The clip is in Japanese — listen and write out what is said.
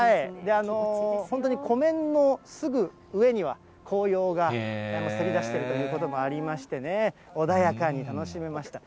本当に湖面のすぐ上には、紅葉がせり出しているということもありましてね、穏やかに楽しめました。